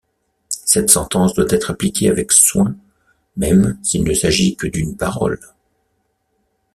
Cette sentence doit être appliquée avec soin, même s'il ne s'agit que d'une parole.